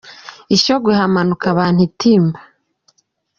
I Shyogwe hamanuka abantu itimba